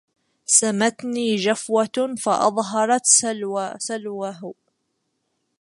سمتني جفوة فأظهرت سلوه